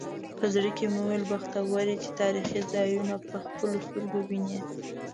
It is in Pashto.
په زړه کې مې وویل بختور یې چې تاریخي ځایونه په خپلو سترګو وینې.